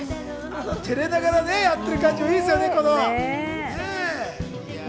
照れながらやってる感じもいいですよね。